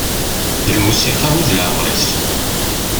D lmusiqa i d leɛmer-is.